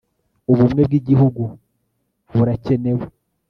ubumwe bw igihugu buracyenewe